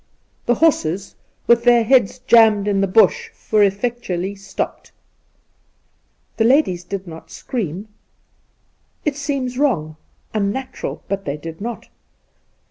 The horses, with their heads jammed in the bush, were effectually stopped. The ladies did not scream ! It seems wrong — unnatural; but they did not.